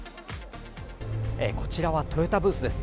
こちらはトヨタブースです。